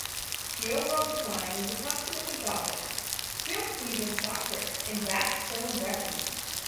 The overall design was approximately Gothic, built using stock bricks and bath stone dressings.